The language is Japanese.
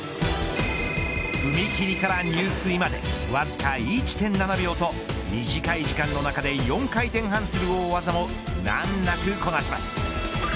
踏み切りから入水までわずか１．７秒と短い時間の中で４回転半する大技も難なくこなします。